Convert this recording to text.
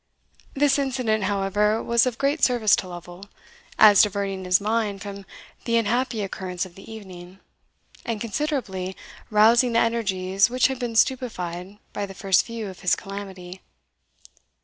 This incident, however, was of great service to Lovel, as diverting his mind from the unhappy occurrence of the evening, and considerably rousing the energies which had been stupefied by the first view of his calamity.